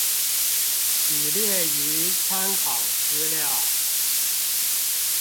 已列於參考資料